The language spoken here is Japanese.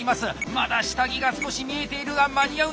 まだ下着が少し見えているが間に合うのか？